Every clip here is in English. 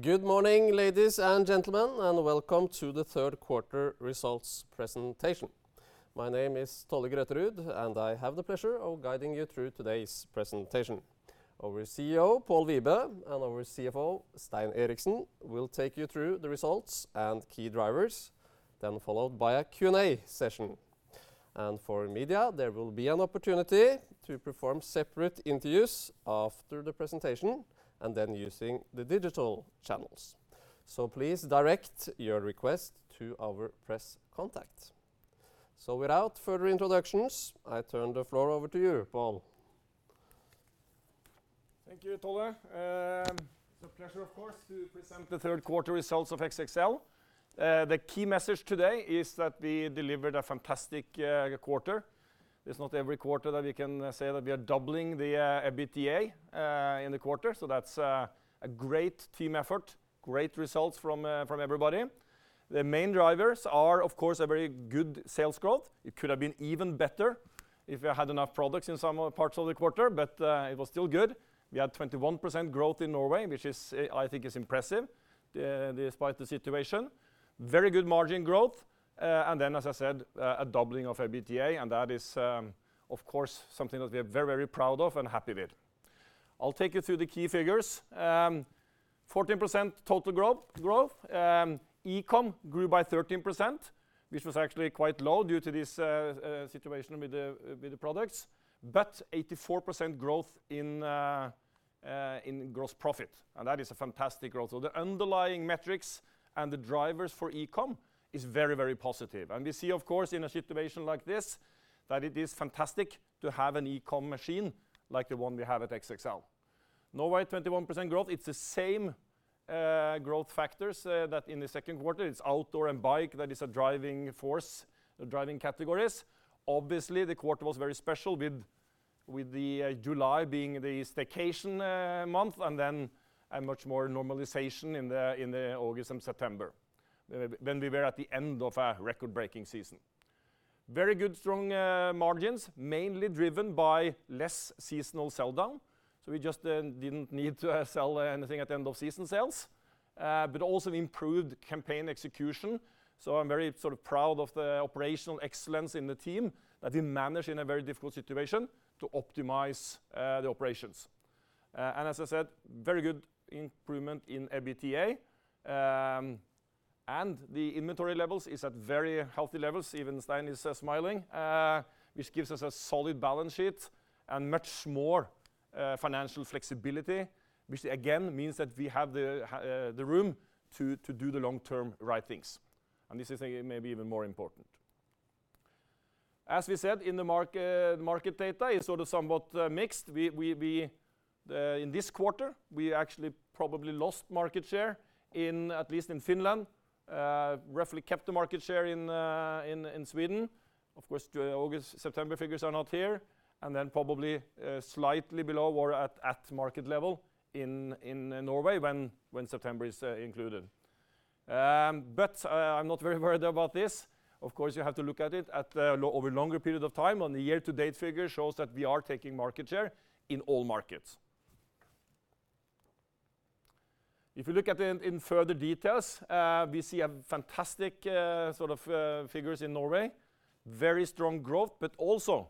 Good morning, ladies and gentlemen, and welcome to the third quarter results presentation. My name is Tolle Grøterud, and I have the pleasure of guiding you through today's presentation. Our CEO, Pål Wibe, and our CFO, Stein Eriksen, will take you through the results and key drivers, then followed by a Q&A session. For media, there will be an opportunity to perform separate interviews after the presentation, and then using the digital channels. Please direct your request to our press contact. Without further introductions, I turn the floor over to you, Pål. Thank you, Tolle. It's a pleasure, of course, to present the third quarter results of XXL. The key message today is that we delivered a fantastic quarter. It's not every quarter that we can say that we are doubling the EBITDA in the quarter. That's a great team effort, great results from everybody. The main drivers are, of course, a very good sales growth. It could have been even better if we had enough products in some parts of the quarter, but it was still good. We had 21% growth in Norway, which is, I think is impressive, despite the situation. Very good margin growth. As I said, a doubling of EBITDA, and that is, of course, something that we are very proud of and happy with. I'll take you through the key figures. 14% total growth. E-com grew by 13%, which was actually quite low due to this situation with the products, but 84% growth in gross profit, and that is a fantastic growth. The underlying metrics and the drivers for e-com is very positive. We see, of course, in a situation like this, that it is fantastic to have an e-com machine like the one we have at XXL. Norway, 21% growth. It's the same growth factors that in the second quarter. It's outdoor and bike that is a driving force, driving categories. Obviously, the quarter was very special with the July being the staycation month and then a much more normalization in the August and September, when we were at the end of a record-breaking season. Very good strong margins, mainly driven by less seasonal sell-down. We just didn't need to sell anything at the end of season sales. Also improved campaign execution. I'm very proud of the operational excellence in the team that we managed in a very difficult situation to optimize the operations. As I said, very good improvement in EBITDA. The inventory levels is at very healthy levels, even Stein is smiling, which gives us a solid balance sheet and much more financial flexibility, which again, means that we have the room to do the long-term right things. This is maybe even more important. As we said, in the market data is somewhat mixed. In this quarter, we actually probably lost market share in at least in Finland. Roughly kept the market share in Sweden. Of course, the August, September figures are not here. Probably slightly below or at market level in Norway when September is included. I'm not very worried about this. Of course, you have to look at it at over longer period of time, the year-to-date figure shows that we are taking market share in all markets. If you look at in further details, we see a fantastic figures in Norway. Very strong growth, also,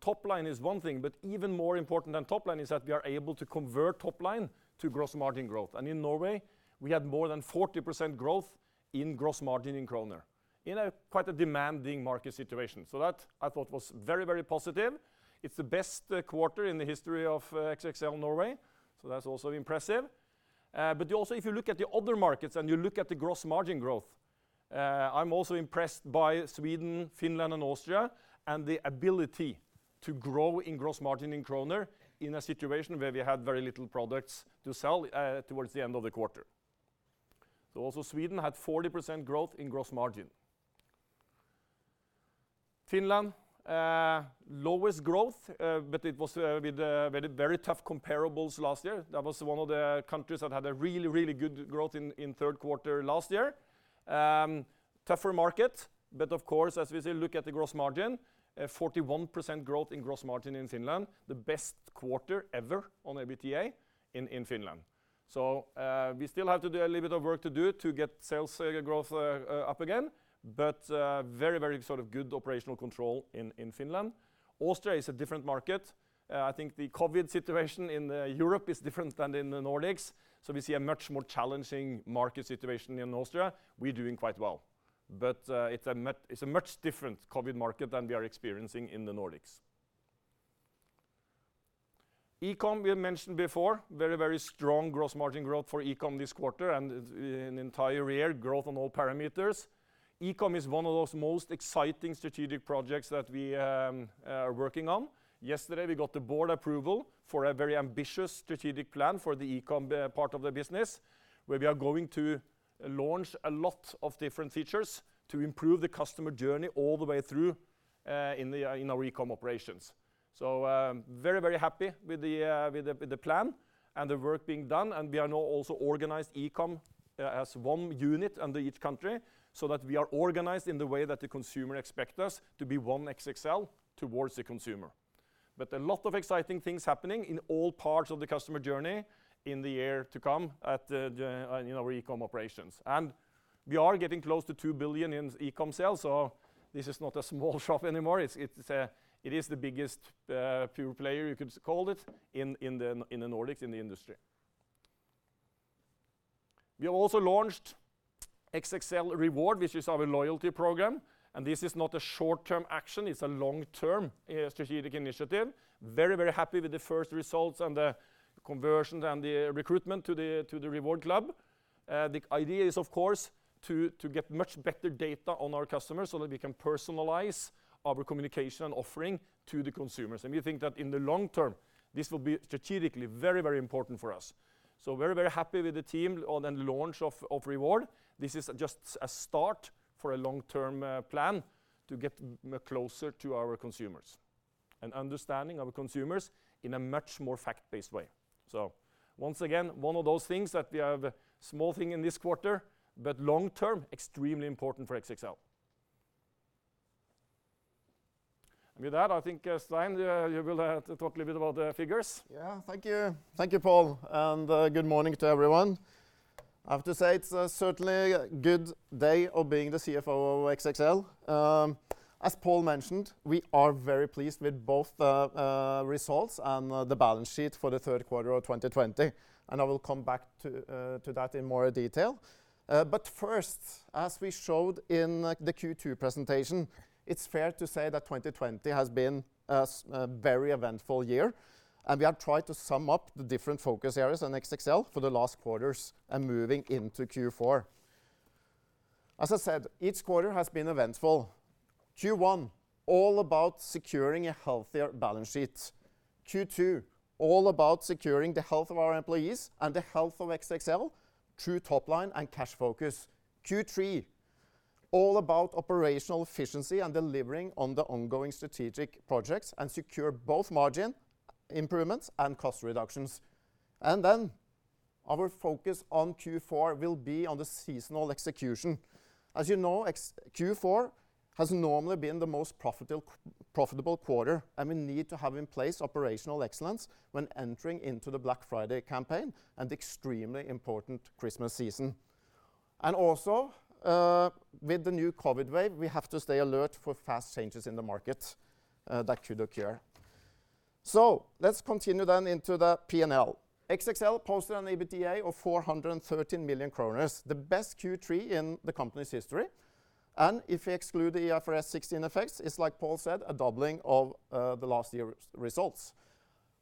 top line is one thing, but even more important than top line is that we are able to convert top line to gross margin growth. In Norway, we had more than 40% growth in gross margin in NOK in a quite a demanding market situation. That I thought was very positive. It's the best quarter in the history of XXL Norway, so that's also impressive. Also if you look at the other markets and you look at the gross margin growth, I'm also impressed by Sweden, Finland, and Austria, and the ability to grow in gross margin in NOK in a situation where we had very little products to sell towards the end of the quarter. Also Sweden had 40% growth in gross margin. Finland, lowest growth, it was with very tough comparables last year. That was one of the countries that had a really good growth in third quarter last year. Tougher market, of course, as we look at the gross margin, 41% growth in gross margin in Finland, the best quarter ever on EBITDA in Finland. We still have to do a little bit of work to do to get sales growth up again. Very good operational control in Finland. Austria is a different market. I think the COVID situation in Europe is different than in the Nordics, so we see a much more challenging market situation in Austria. We're doing quite well. It's a much different COVID market than we are experiencing in the Nordics. e-com, we have mentioned before, very strong gross margin growth for e-com this quarter and in entire year, growth on all parameters. e-com is one of those most exciting strategic projects that we are working on. Yesterday, we got the board approval for a very ambitious strategic plan for the e-com part of the business, where we are going to launch a lot of different features to improve the customer journey all the way through in our e-com operations. Very happy with the plan and the work being done, and we are now also organized e-com as one unit under each country so that we are organized in the way that the consumer expect us to be one XXL towards the consumer. A lot of exciting things happening in all parts of the customer journey in the year to come at our e-com operations. We are getting close to 2 billion in e-com sales. This is not a small shop anymore. It is the biggest pure player, you could call it, in the Nordics in the industry. We have also launched XXL Reward, which is our loyalty program. This is not a short-term action, it's a long-term strategic initiative. Very happy with the first results and the conversions and the recruitment to the reward club. The idea is, of course, to get much better data on our customers so that we can personalize our communication offering to the consumers. We think that in the long term, this will be strategically very important for us. Very happy with the team on the launch of Reward. This is just a start for a long-term plan to get closer to our consumers and understanding our consumers in a much more fact-based way. Once again, one of those things that we have a small thing in this quarter, but long term, extremely important for XXL. With that, I think, Stein, you will have to talk a little bit about the figures. Yeah. Thank you, Pål. Good morning to everyone. I have to say, it's certainly a good day of being the CFO of XXL. As Pål mentioned, we are very pleased with both the results and the balance sheet for the third quarter of 2020. I will come back to that in more detail. First, as we showed in the Q2 presentation, it's fair to say that 2020 has been a very eventful year, and we have tried to sum up the different focus areas on XXL for the last quarters and moving into Q4. As I said, each quarter has been eventful. Q1, all about securing a healthier balance sheet. Q2, all about securing the health of our employees and the health of XXL through top line and cash focus. Q3, all about operational efficiency and delivering on the ongoing strategic projects and secure both margin improvements and cost reductions. Our focus on Q4 will be on the seasonal execution. As you know, Q4 has normally been the most profitable quarter, and we need to have in place operational excellence when entering into the Black Friday campaign and extremely important Christmas season. Also, with the new COVID wave, we have to stay alert for fast changes in the market that could occur. Let's continue then into the P&L. XXL posted an EBITDA of 413 million kroner, the best Q3 in the company's history. If we exclude the IFRS 16 effects, it's like Pål said, a doubling of the last year results.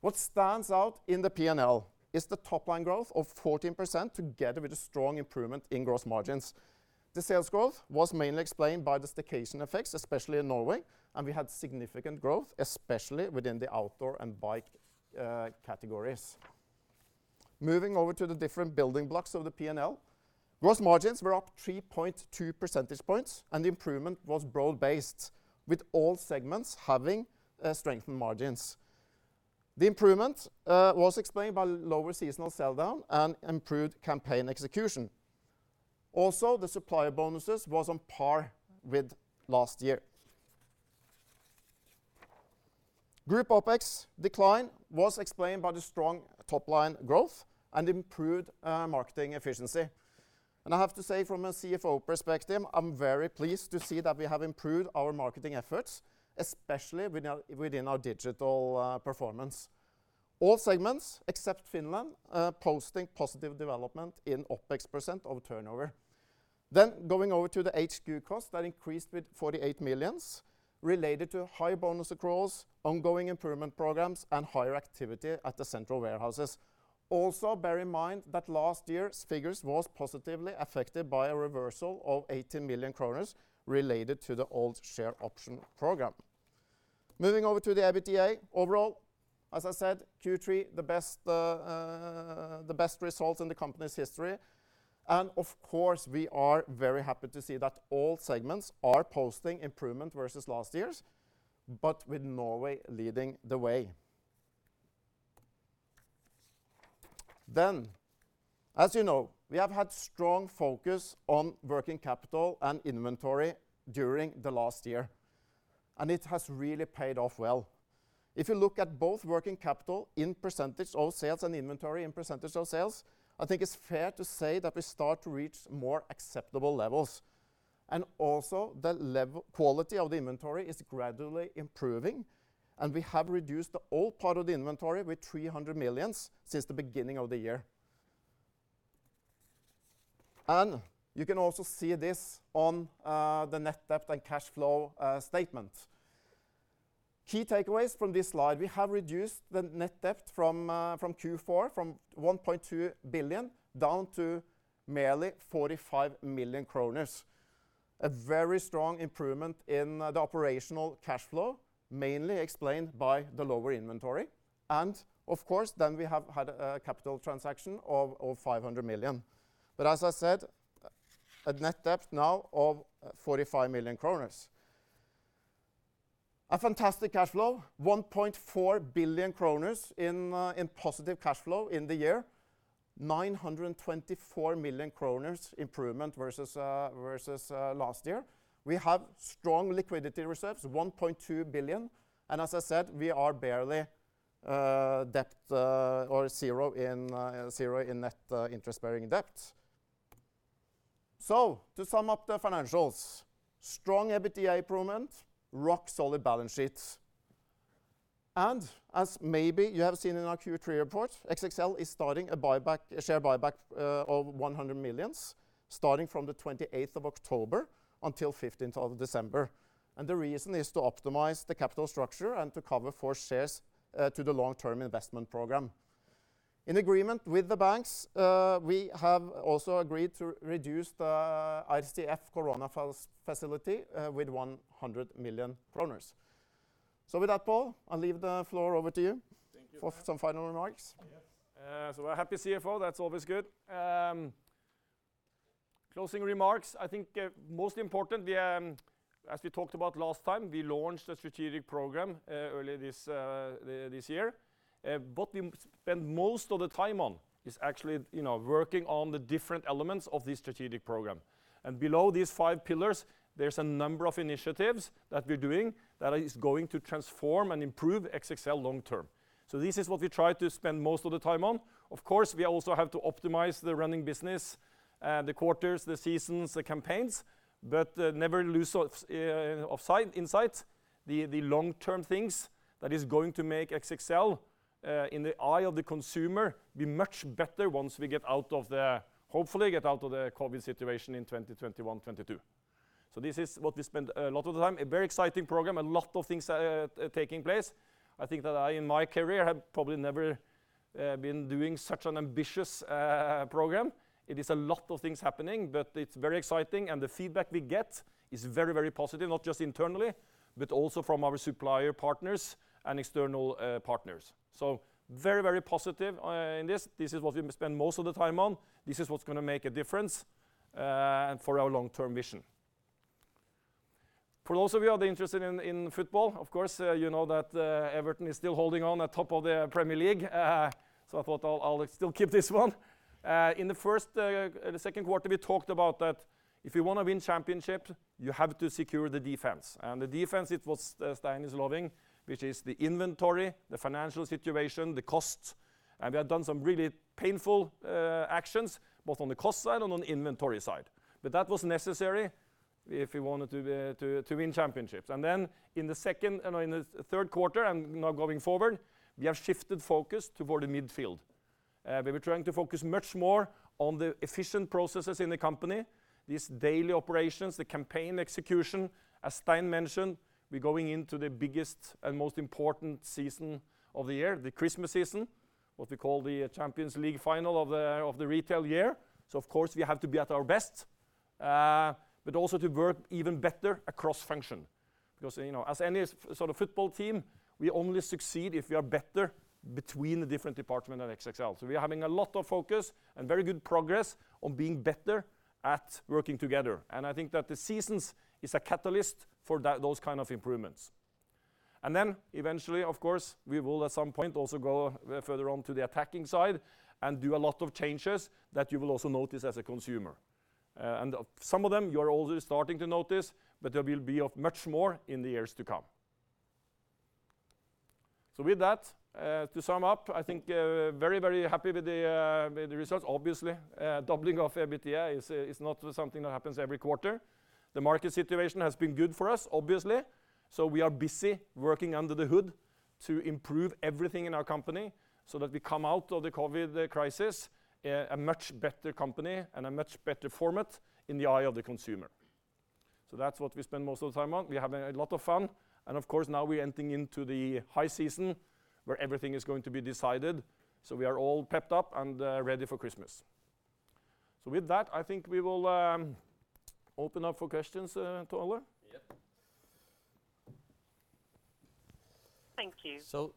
What stands out in the P&L is the top line growth of 14%, together with a strong improvement in gross margins. The sales growth was mainly explained by the staycation effects, especially in Norway, and we had significant growth, especially within the outdoor and bike categories. Moving over to the different building blocks of the P&L. Gross margins were up 3.2 percentage points. The improvement was broad-based, with all segments having strengthened margins. The improvement was explained by lower seasonal sell down and improved campaign execution. Also, the supplier bonuses was on par with last year. Group OpEx decline was explained by the strong top line growth and improved marketing efficiency. I have to say, from a CFO perspective, I'm very pleased to see that we have improved our marketing efforts, especially within our digital performance. All segments, except Finland, posting positive development in OpEx % of turnover. Going over to the HQ cost that increased with 48 million, related to high bonus accruals, ongoing improvement programs and higher activity at the central warehouses. Also, bear in mind that last year's figures was positively affected by a reversal of 18 million kroner related to the old share option program. Moving over to the EBITDA. Overall, as I said, Q3, the best results in the company's history, and of course, we are very happy to see that all segments are posting improvement versus last year's, but with Norway leading the way. As you know, we have had strong focus on working capital and inventory during the last year, and it has really paid off well. If you look at both working capital in % of sales and inventory in % of sales, I think it's fair to say that we start to reach more acceptable levels. Also the quality of the inventory is gradually improving, and we have reduced the old part of the inventory with 300 million since the beginning of the year. You can also see this on the net debt and cash flow statement. Key takeaways from this slide, we have reduced the net debt from Q4 from 1.2 billion down to merely 45 million kroner. A very strong improvement in the operational cash flow, mainly explained by the lower inventory, of course then we have had a capital transaction of 500 million. As I said, a net debt now of 45 million kroner. A fantastic cash flow, 1.4 billion kroner in positive cash flow in the year. 924 million kroner improvement versus last year. We have strong liquidity reserves, 1.2 billion, as I said, we are barely debt or zero in net interest-bearing debt. To sum up the financials, strong EBITDA improvement, rock-solid balance sheet. As maybe you have seen in our Q3 report, XXL is starting a share buyback of 100 million, starting from the 28th of October until 15th of December. The reason is to optimize the capital structure and to cover for shares to the long-term investment program. In agreement with the banks, we have also agreed to reduce the RCF corona facility with 100 million kroner. With that, Pål, I'll leave the floor over to you. Thank you. For some final remarks. Yes. A happy CFO, that's always good. Closing remarks, I think most important, as we talked about last time, we launched a strategic program earlier this year. What we spend most of the time on is actually working on the different elements of this strategic program. Below these five pillars, there's a number of initiatives that we're doing that is going to transform and improve XXL long-term. This is what we try to spend most of the time on. Of course, we also have to optimize the running business, the quarters, the seasons, the campaigns, never lose sight of the long-term things that is going to make XXL, in the eye of the consumer, be much better once we get out of the, hopefully get out of the COVID situation in 2021, 2022. This is what we spend a lot of the time, a very exciting program, a lot of things taking place. I think that I, in my career, have probably never been doing such an ambitious program. It is a lot of things happening, but it's very exciting and the feedback we get is very, very positive, not just internally, but also from our supplier partners and external partners. Very, very positive in this. This is what we spend most of the time on. This is what's going to make a difference for our long-term vision. For those of you are interested in football, of course, you know that Everton is still holding on at top of the Premier League. I thought I'll still keep this one. In the second quarter, we talked about that if you want to win championships, you have to secure the defense. The defense, it was Stein is leading, which is the inventory, the financial situation, the costs. We have done some really painful actions, both on the cost side and on the inventory side. That was necessary if we wanted to win championships. In the third quarter, and now going forward, we have shifted focus toward the midfield. We were trying to focus much more on the efficient processes in the company, these daily operations, the campaign execution. As Stein mentioned, we're going into the biggest and most important season of the year, the Christmas season, what we call the Champions League final of the retail year. Of course, we have to be at our best, but also to work even better across function. As any sort of football team, we only succeed if we are better between the different department at XXL. We are having a lot of focus and very good progress on being better at working together. I think that the seasons is a catalyst for those kind of improvements. Eventually, of course, we will at some point also go further on to the attacking side and do a lot of changes that you will also notice as a consumer. Some of them you are already starting to notice, but there will be much more in the years to come. With that, to sum up, I think very, very happy with the results. Obviously, doubling of EBITDA is not something that happens every quarter. The market situation has been good for us, obviously. We are busy working under the hood to improve everything in our company so that we come out of the COVID crisis a much better company and a much better format in the eye of the consumer. That's what we spend most of the time on. We have a lot of fun. Of course, now we entering into the high season where everything is going to be decided. We are all pepped up and ready for Christmas. With that, I think we will open up for questions, Ole. Yep. Thank you. So-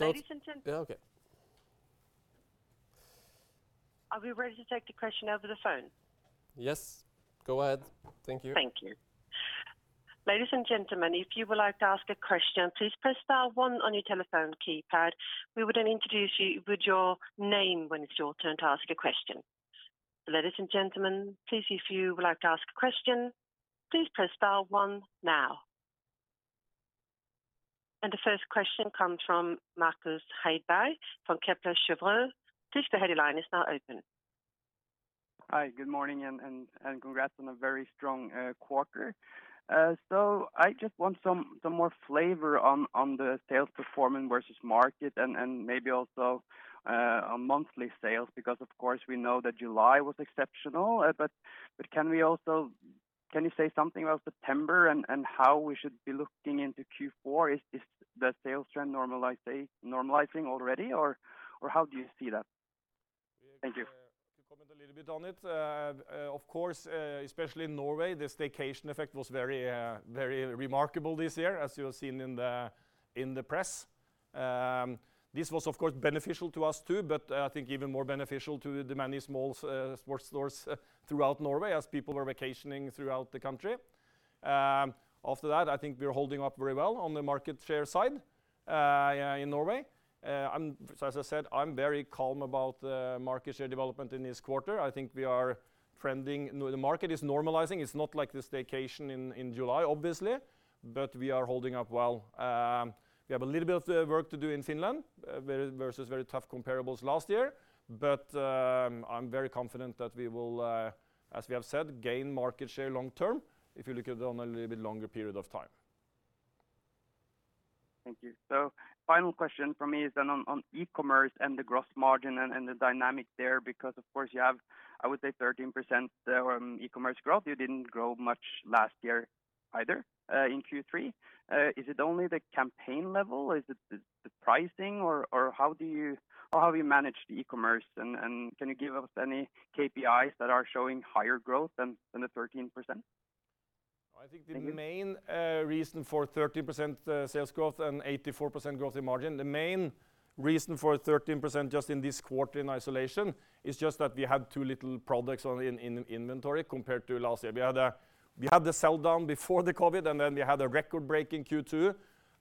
Ladies and gentlemen. Yeah. Okay. Are we ready to take a question over the phone? Yes, go ahead. Thank you. Thank you. Ladies and gentlemen, if you would like to ask a question, please press star one on your telephone keypad. We would then introduce you with your name when it's your turn to ask a question. Ladies and gentlemen, please, if you would like to ask a question, please press star one now. The first question comes from Markus Heiberg from Kepler Cheuvreux. Please, the headline is now open. Hi, good morning, and congrats on a very strong quarter. I just want some more flavor on the sales performance versus market and maybe also on monthly sales, because of course, we know that July was exceptional. Can you say something about September and how we should be looking into Q4? Is the sales trend normalizing already, or how do you see that? Thank you. To comment a little bit on it. Of course, especially in Norway, the staycation effect was very remarkable this year, as you have seen in the press. This was, of course, beneficial to us, too, but I think even more beneficial to the many small sports stores throughout Norway as people were vacationing throughout the country. After that, I think we are holding up very well on the market share side. In Norway. As I said, I'm very calm about market share development in this quarter. I think we are trending. The market is normalizing. It's not like the staycation in July, obviously, but we are holding up well. We have a little bit of work to do in Finland versus very tough comparables last year. I'm very confident that we will, as we have said, gain market share long term if you look at it on a little bit longer period of time. Thank you. Final question from me is on e-commerce and the gross margin and the dynamic there because, of course, you have, I would say, 13% e-commerce growth. You didn't grow much last year either in Q3. Is it only the campaign level? Is it the pricing, or how have you managed e-commerce, and can you give us any KPIs that are showing higher growth than the 13%? I think the main reason for 13% sales growth and 84% growth in margin, the main reason for 13% just in this quarter in isolation is that we had too little products in inventory compared to last year. We had the sell-down before the COVID, and then we had a record-breaking Q2,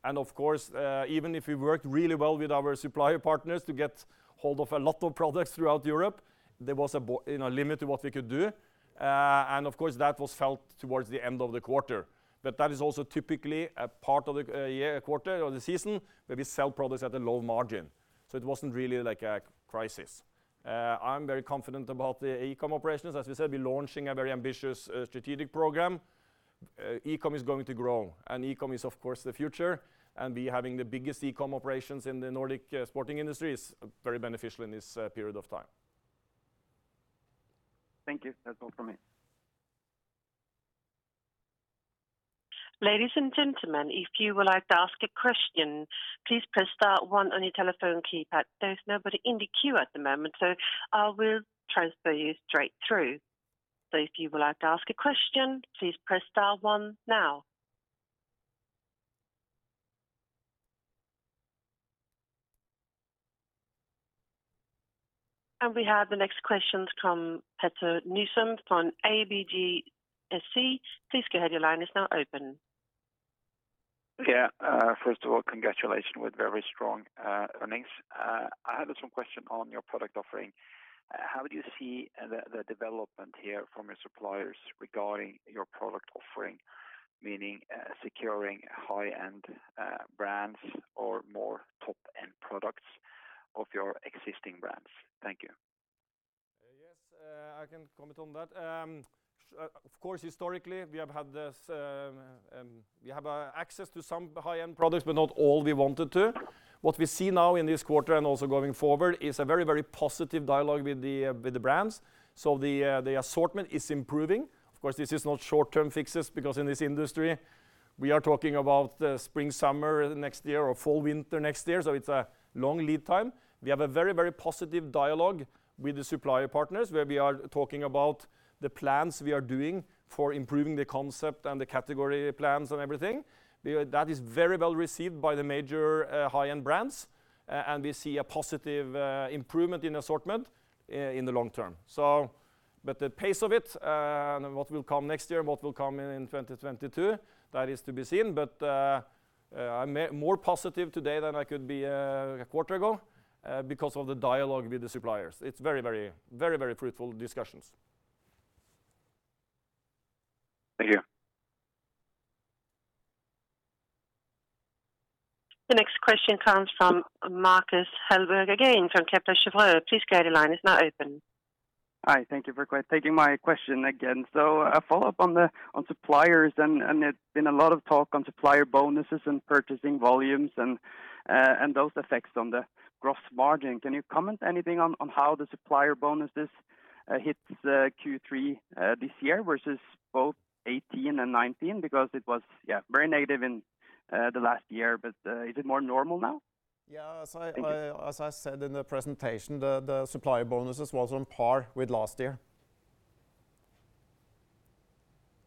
and of course, even if we worked really well with our supplier partners to get hold of a lot of products throughout Europe, there was a limit to what we could do. Of course, that was felt towards the end of the quarter. That is also typically a part of the quarter or the season where we sell products at a low margin. It wasn't really a crisis. I'm very confident about the e-com operations. As we said, we're launching a very ambitious strategic program. E-com is going to grow. E-com is, of course, the future. We having the biggest e-com operations in the Nordic sporting industry is very beneficial in this period of time. Thank you. That's all from me. Ladies and gentlemen, if you would like to ask a question, please press star one on your telephone keypad. There's nobody in the queue at the moment, so I will transfer you straight through. If you would like to ask a question, please press star one now. We have the next question from Petter Nystrøm from ABGSC. Please go ahead. Your line is now open. Yeah. First of all, congratulations with very strong earnings. I have some question on your product offering. How do you see the development here from your suppliers regarding your product offering, meaning securing high-end brands or more top-end products of your existing brands? Thank you. Yes, I can comment on that. Of course, historically, we have access to some high-end products, but not all we wanted to. What we see now in this quarter and also going forward is a very positive dialogue with the brands. The assortment is improving. Of course, this is not short-term fixes because in this industry, we are talking about the spring/summer next year or fall/winter next year. It's a long lead time. We have a very positive dialogue with the supplier partners where we are talking about the plans we are doing for improving the concept and the category plans and everything. That is very well received by the major high-end brands, and we see a positive improvement in assortment in the long term. The pace of it and what will come next year and what will come in 2022, that is to be seen. I'm more positive today than I could be a quarter ago because of the dialogue with the suppliers. It's very fruitful discussions. Thank you. The next question comes from Marcus Heiberg again from Kepler Cheuvreux. Please go, your line is now open. Hi. Thank you for taking my question again. A follow-up on suppliers, and there's been a lot of talk on supplier bonuses and purchasing volumes and those effects on the gross margin. Can you comment anything on how the supplier bonuses hits Q3 this year versus both 2018 and 2019? Because it was very negative in the last year, but is it more normal now? Yeah. Thank you. As I said in the presentation, the supplier bonuses was on par with last year.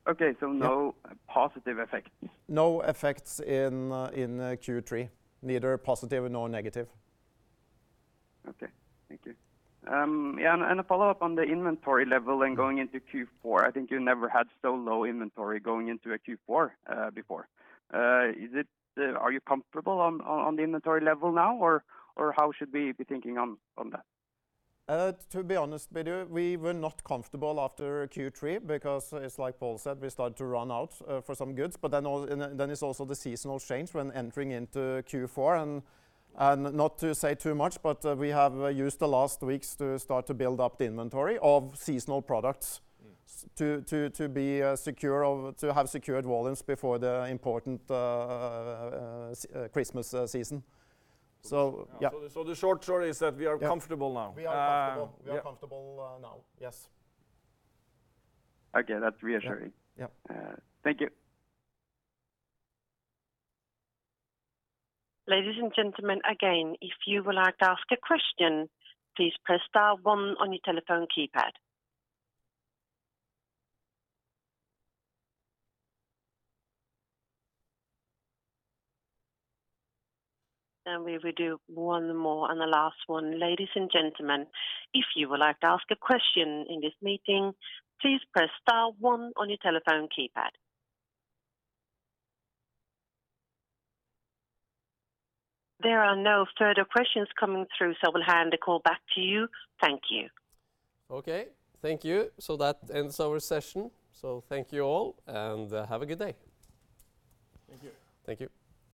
Okay. No positive effects? No effects in Q3, neither positive nor negative. Okay. Thank you. A follow-up on the inventory level and going into Q4. I think you never had so low inventory going into a Q4 before. Are you comfortable on the inventory level now, or how should we be thinking on that? To be honest with you, we were not comfortable after Q3 because it's like Pål said, we started to run out for some goods. It's also the seasonal change when entering into Q4, and not to say too much, but we have used the last weeks to start to build up the inventory of seasonal products to have secured volumes before the important Christmas season. Yeah. The short story is that we are comfortable now. We are comfortable. Yeah. We are comfortable now. Yes. Okay. That's reassuring. Yeah. Thank you. Ladies and gentlemen, again, if you would like to ask a question, please press star one on your telephone keypad. We will do one more and the last one. Ladies and gentlemen, if you would like to ask a question in this meeting, please press star one on your telephone keypad. There are no further questions coming through. We'll hand the call back to you. Thank you. Okay. Thank you. That ends our session. Thank you all, and have a good day. Thank you. Thank you.